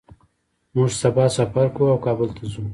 موږ سبا سفر کوو او کابل ته ځو